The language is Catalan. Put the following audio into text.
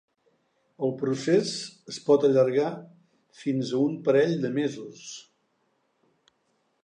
El procés es pot allargar fins a un parell de mesos.